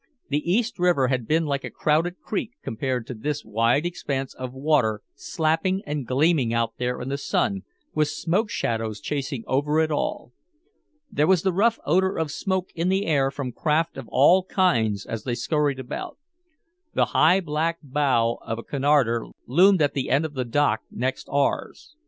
The East River had been like a crowded creek compared to this wide expanse of water slapping and gleaming out there in the sun with smoke shadows chasing over it all. There was the rough odor of smoke in the air from craft of all kinds as they skurried about. The high black bow of a Cunarder loomed at the end of the dock next ours.